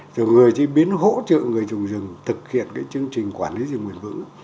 rồi người chế biến hỗ trợ người trồng rừng thực hiện cái chương trình quản lý rừng bền vững